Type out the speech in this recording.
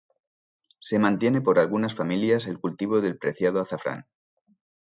Se mantiene por algunas familias el cultivo del preciado azafrán.